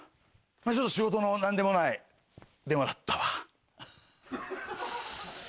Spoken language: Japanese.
ちょっと仕事の何でもない電話だったわ。